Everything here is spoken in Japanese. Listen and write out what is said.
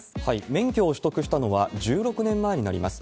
免許を取得したのは、１６年前になります。